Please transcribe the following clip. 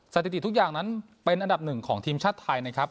สถิติทุกอย่างนั้นเป็นอันดับหนึ่งของทีมชาติไทยนะครับ